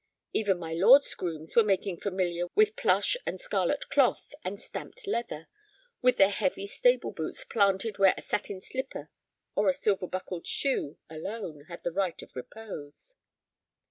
Even my lord's grooms were making familiar with plush and scarlet cloth and stamped leather, with their heavy stable boots planted where a satin slipper or a silver buckled shoe alone had the right of repose.